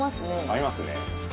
合いますね。